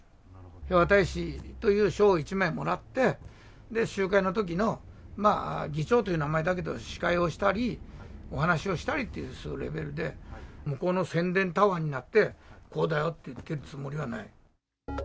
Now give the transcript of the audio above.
平和大使という書を一枚もらって、集会のときの、議長という名前だけど、司会をしたり、お話をしたりって、そういうレベルで、向こうの宣伝タワーになって、こうだよと言ってるつもりはない。